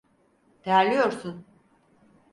Terliyorsun…